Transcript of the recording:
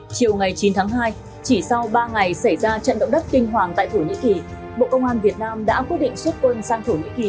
chiều ngày chín tháng hai chỉ sau ba ngày xảy ra trận động đất kinh hoàng tại thổ nhĩ kỳ bộ công an việt nam đã quyết định xuất quân sang thổ nhĩ kỳ